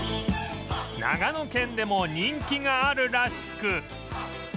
長野県でも人気があるらしく